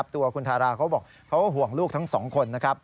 ตัวคุณธาราบอกว่าเขาห่วงลูกทั้งสองคน